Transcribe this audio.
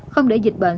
không để dịch bệnh